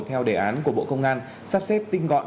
theo đề án của bộ công an sắp xếp tinh gọn